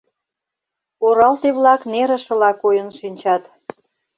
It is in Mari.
Оралте-влак нерышыла койын шинчат.